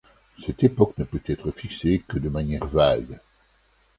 Cette époque ne peut être fixée que de manière vague.